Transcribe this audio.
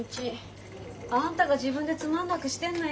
あんたが自分でつまんなくしてんのよ。